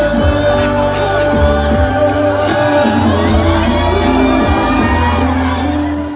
ขอบคุณทุกคนที่ให้ฉันสุดใจ